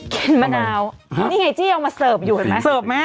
กินมะนาวนี่ไงจี้เอามาอยู่เห็นไหมเสิร์ฟแม่